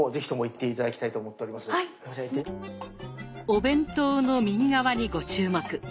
お弁当の右側にご注目。